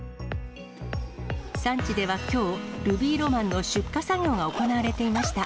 産地ではきょう、ルビーロマンの出荷作業が行われていました。